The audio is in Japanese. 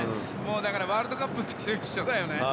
だからワールドカップの時と一緒だね。